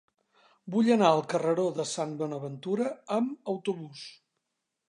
Vull anar al carreró de Sant Bonaventura amb autobús.